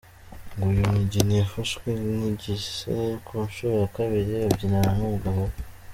Ngo uyu mugeni yafashwe n’igise ku nshuro ya kabiri abyinana n’umugabo we.